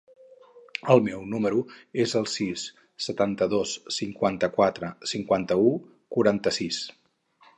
El meu número es el sis, setanta-dos, cinquanta-quatre, cinquanta-u, quaranta-sis.